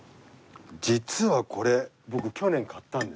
実はこれ僕去年買ったんです。